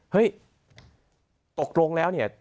เฮ้ยตกลงแล้วเนี่ย